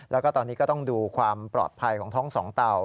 แล้วก็ตอนนี้ก็ต้องดูความปลอดภัยของท้องสองเตา